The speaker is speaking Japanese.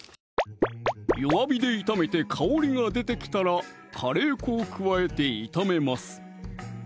弱火で炒めて香りが出てきたらカレー粉を加えて炒めます